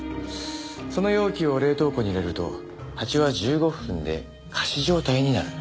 その容器を冷凍庫に入れるとハチは１５分で仮死状態になる。